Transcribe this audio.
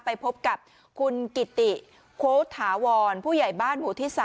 ไปพบกับคุณกิติโค้ถาวรผู้ใหญ่บ้านหมู่ที่๓